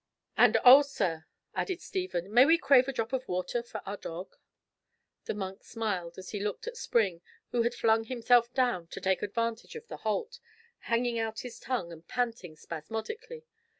"And oh, sir," added Stephen, "may we crave a drop of water for our dog?" The monk smiled as he looked at Spring, who had flung himself down to take advantage of the halt, hanging out his tongue, and panting spasmodically.